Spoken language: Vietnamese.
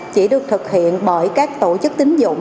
chỉ được thực hiện bởi các tổ chức tính dụng